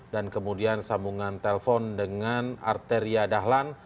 dan kemudian sambungan telepon dengan arteria